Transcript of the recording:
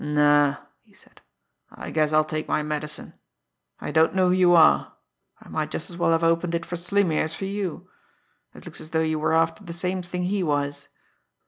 "No," he said. "I guess I'll take my medicine. I don't know who you are. I might just as well have opened it for Slimmy as for you. It looks as though you were after the same thing he was."